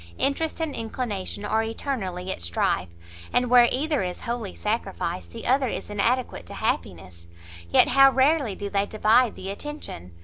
interest and inclination are eternally at strife, and where either is wholly sacrificed, the other is inadequate to happiness. Yet how rarely do they divide the attention!